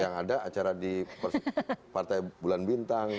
yang ada acara di partai bulan bintang